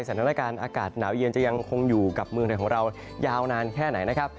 สถานการณ์อากาศหนาวเย็นจะยังคงอยู่กับเมืองไทยของเรายาวนานแค่ไหนนะครับ